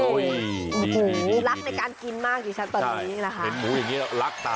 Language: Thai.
อุ้ยยยหรือหูรักในการกินมากดีชันเลยนะคะ